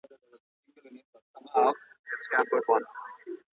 په قلم خط لیکل د نامعلومو شیانو د کشف پیل دی.